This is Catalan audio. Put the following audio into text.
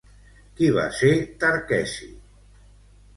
Qui va ser Tarqueci?